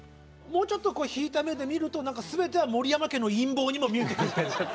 もうちょっとこう引いた目で見ると全ては森山家の陰謀にも見えてくる。